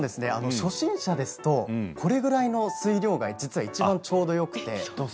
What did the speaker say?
初心者ですとこれぐらいの水量が実はいちばんちょうどよくて。